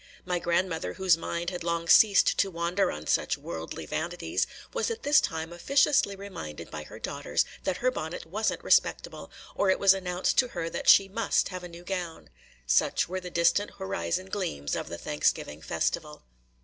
My grandmother, whose mind had long ceased to wander on such worldly vanities, was at this time officiously reminded by her daughters that her bonnet was n't respectable, or it was announced to her that she must have a new gown. Such were the distant horizon gleams of the Thanksgiving festival.